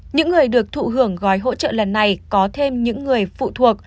những người được thụ hưởng gói hỗ trợ lần này có thêm những người phụ thuộc